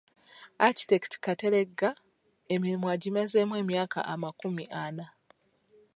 Architect Kateregga emirimu agimazeemu emyaka amakumi ana.